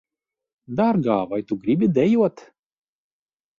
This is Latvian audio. Dārgā, vai tu gribi dejot?